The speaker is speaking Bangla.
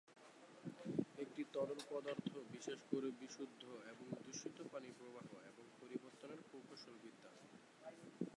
এটি তরল পদার্থ বিশেষ করে বিশুদ্ধ এবং দূষিত পানি প্রবাহ এবং পরিবহনের প্রকৌশল বিদ্যা।